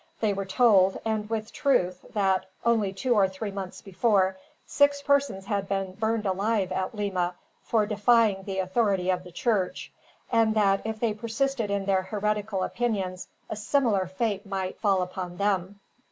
They were told, and with truth that, only two or three months before, six persons had been burned alive, at Lima, for defying the authority of the church; and that, if they persisted in their heretical opinions, a similar fate might fall upon them.